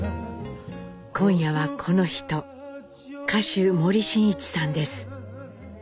今夜はこの人歌手森進一さんです。